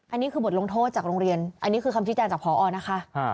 อันนี้คือบทลงโทษจากโรงเรียนอันนี้คือคำชี้แจงจากพอนะคะ